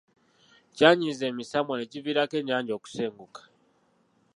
Kyanyiiza emisambwa ne kiviirako ennyanja okusenguka.